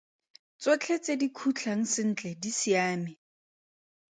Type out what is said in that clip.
Tsotlhe tse di khutlang sentle di siame!